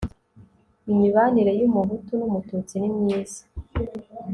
imibanire y'umuhutu n'umututsi ni myiza